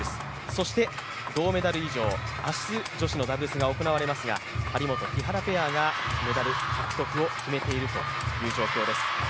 そして銅メダル以上明日、女子のダブルスが行われますが張本・木原ペアがメダル獲得を決めているという状況です。